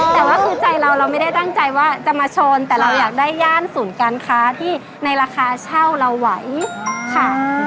แต่ว่าคือใจเราเราไม่ได้ตั้งใจว่าจะมาชนแต่เราอยากได้ย่านศูนย์การค้าที่ในราคาเช่าเราไหวค่ะ